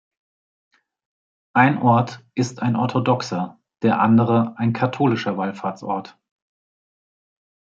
Ein Ort ist ein orthodoxer, der andere ein katholischer Wallfahrtsort.